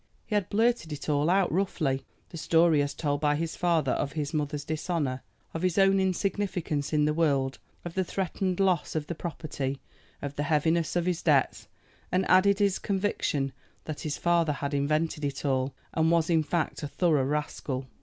He had blurted it all out roughly, the story as told by his father of his mother's dishonor, of his own insignificance in the world, of the threatened loss of the property, of the heaviness of his debts, and added his conviction that his father had invented it all, and was, in fact, a thorough rascal.